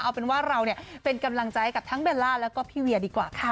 เอาเป็นว่าเราเนี่ยเป็นกำลังใจกับทั้งเบลล่าแล้วก็พี่เวียดีกว่าค่ะ